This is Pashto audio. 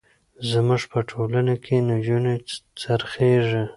زموږ په ټولنه کې نجونې خرڅېږي.